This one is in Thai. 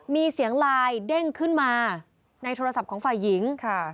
มีเสียงไลน์เด้งขึ้นมาในโทรศัพท์ของฝ่ายหญิง